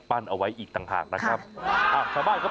ปั้นเอาไว้อีกต่างหากนะครับ